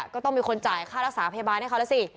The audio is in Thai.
ก็ต้องมีคนจ่ายค่ารักษาพยาบาลให้เขาแล้วสิ